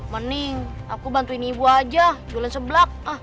mending aku bantuin ibu aja jualan seblak